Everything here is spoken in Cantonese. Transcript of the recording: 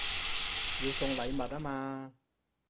要送禮物吖嘛